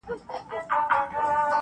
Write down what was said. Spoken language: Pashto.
یار اوسېږمه په ښار نا پرسان کي,